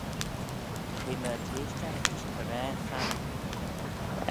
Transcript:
T'eh myr geaishtagh rish coraa charrey.